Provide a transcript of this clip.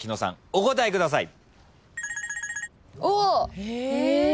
お答えください。